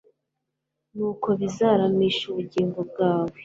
Nuko bizaramisha ubugingo bwawe